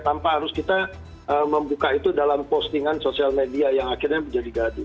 tanpa harus kita membuka itu dalam postingan sosial media yang akhirnya menjadi gaduh